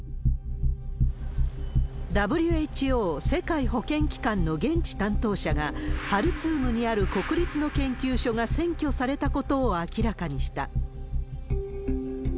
ＷＨＯ・世界保健機関の現地担当者が、ハルツームにある国立の研究所が占拠されたことを明らかにした。